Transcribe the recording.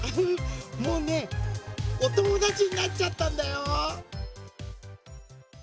もうねおともだちになっちゃったんだよ！